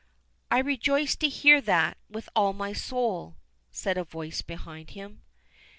"I rejoice to hear it, with all my soul," said a voice behind him.